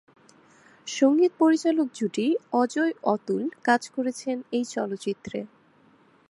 সঙ্গীত পরিচালক জুটি অজয়-অতুল কাজ করেছেন এই চলচ্চিত্রে।